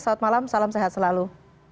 selamat malam salam sehat selalu